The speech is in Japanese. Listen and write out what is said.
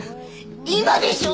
今でしょ。